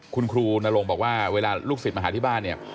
คุณครูนรงค์บอกว่าเวลาลูกศิษย์มาหาที่บ้านเนี่ย